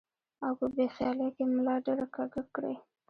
او پۀ بې خيالۍ کښې ملا ډېره کږه کړي ـ